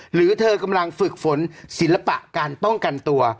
หรือเธอกำลังฝึกฝนศิลปะการป้องกันตัว